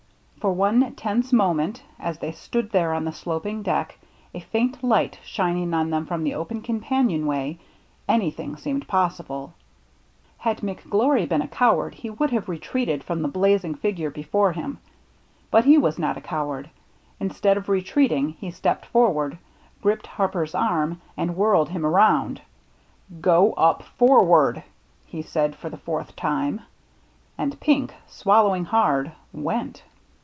For one tense moment, as they stood there on the sloping deck, a faint light shining on them from the open companion way, anything seemed possible. Had Mc Glory been a coward he would have retreated from the blazing figure before him; but he was not a coward. Instead of retreating, he stepped forward, gripped Harper's arm, and whirled him around. " Go up forward !" he said for the fourth time. And Pink, swallow ing hard, went.